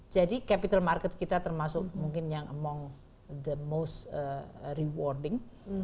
jadi capital market kita termasuk mungkin yang among the most rewarding